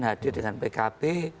hadir dengan pkb